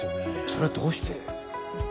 それどうして。